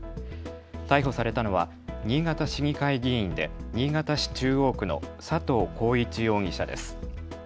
逮捕されたのは新潟市議会議員で新潟市中央区の佐藤耕一容疑者です。